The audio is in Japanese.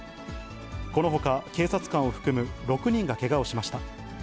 このほか、警察官を含む６人がけがをしました。